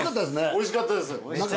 おいしかったです。